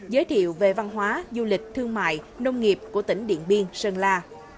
giới thiệu về văn hóa du lịch thương mại nông nghiệp của tỉnh điện biên sơn la